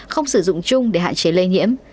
không sử dụng chung để hạn chế lây nhiễm